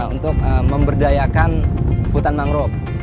untuk memberdayakan hutan mangrove